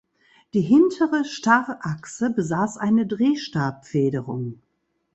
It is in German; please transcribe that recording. Die hintere Starrachse besaß eine Drehstabfederung.